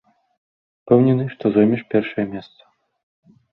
Упэўнены, што зоймеш першае месца.